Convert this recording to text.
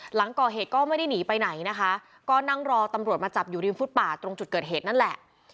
หลังก่อเหตุก็ไม่ได้หนีไปไหนนะคะก็นั่งรอตำรวจมาจับอยู่ริมฟุตป่าตรงจุดเกิดเหตุนั่นแหละ